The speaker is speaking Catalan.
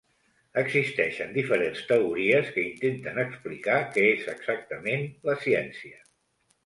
Existeixen diferents teories que intenten explicar què és exactament la ciència.